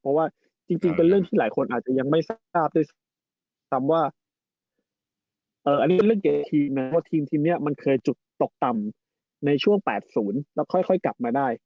เพราะว่าจริงเป็นเรื่องที่หลายคนอาจจะยังไม่ทราบ